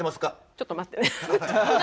ちょっと待ってね。